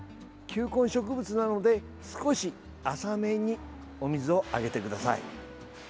球根植物なので少し浅めにお水をあげてください。